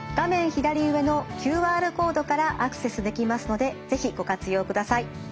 左上のＱＲコードからアクセスできますので是非ご活用ください。